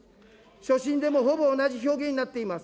所信でもほぼ同じ表現になっています。